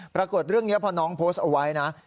ปรากฏเรื่องนี้พอน้องโพสต์เอาไว้นะ